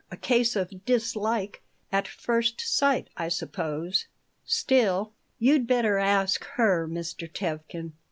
A case of dislike at first sight, I suppose." "Still " "You'd better ask her, Mr. Tevkin."